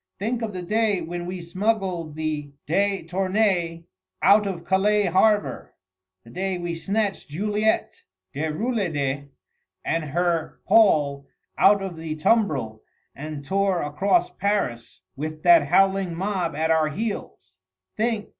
Think of the day when we smuggled the de Tournais out of Calais harbour, the day we snatched Juliette Déroulède and her Paul out of the tumbril and tore across Paris with that howling mob at our heels! Think!